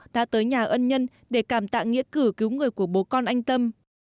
đã tới nhà ân nhân để cảm tạng nghĩa cử cứu người của bố con anh tâm